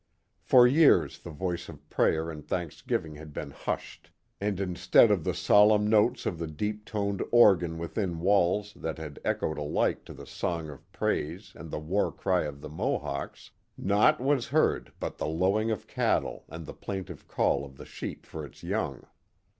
For years the voice of prayer and thanksgiving had been hushed, and instead of the solemn notes of the deep toned organ within walls that had echoed alike to the song of praise and the war cry of the Mohawks, naught was heard but the lowing of cattle and the plaintive call of the sheep for its young.